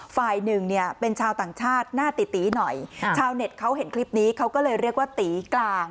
ฝ่ายหนึ่งเนี่ยเป็นชาวต่างชาติหน้าตีตีหน่อยชาวเน็ตเขาเห็นคลิปนี้เขาก็เลยเรียกว่าตีกลาง